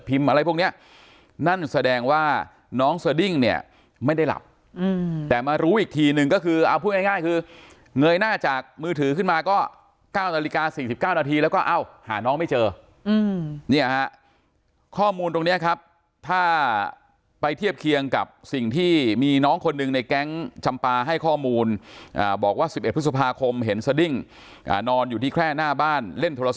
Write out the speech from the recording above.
พรุ่งเนี้ยนั่นแสดงว่าน้องสดิ้งเนี้ยไม่ได้หลับอืมแต่มารู้อีกทีหนึ่งก็คือเอาพูดง่ายง่ายคือเงยหน้าจากมือถือขึ้นมาก็เก้านาฬิกาสี่สิบเก้านาทีแล้วก็เอาหาน้องไม่เจออืมเนี้ยฮะข้อมูลตรงเนี้ยครับถ้าไปเทียบเคียงกับสิ่งที่มีน้องคนนึงในแก๊งจำปลาให้ข้อมูลอ่าบอกว่าส